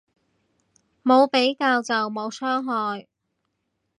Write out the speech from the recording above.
冇比較就冇傷害